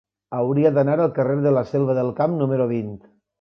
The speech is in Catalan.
Hauria d'anar al carrer de la Selva del Camp número vint.